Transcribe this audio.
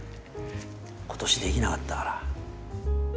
今年できなかったから。